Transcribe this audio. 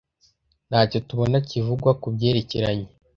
ntacyo tubona kivugwa ku byerekeranye